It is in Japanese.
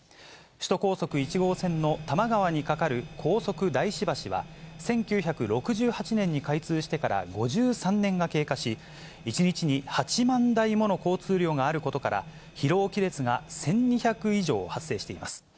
首都高速１号線の多摩川に架かる高速大師橋は、１９６８年に開通してから５３年が経過し、１日に８万台もの交通量があることから、疲労亀裂が１２００以上発生しています。